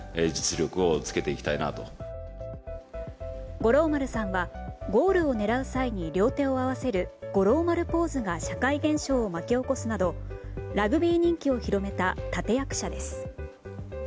五郎丸さんはゴールを狙う際に両手を合わせる五郎丸ポーズが社会現象を巻き起こすなどラグビー人気を広めた立役者です。